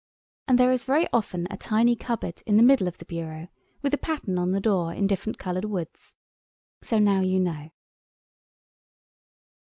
And there is very often a tiny cupboard in the middle of the bureau, with a pattern on the door in different coloured woods. So now you know.